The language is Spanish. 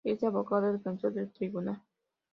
Es el abogado defensor del tribunal.